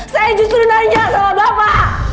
saya justru nanya sama bapak